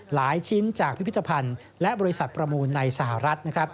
ชิ้นจากพิพิธภัณฑ์และบริษัทประมูลในสหรัฐนะครับ